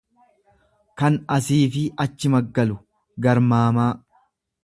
kan asiifi achi maggalu, garmaamaa.